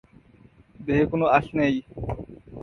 দেহে কোনো আঁশ নেই।।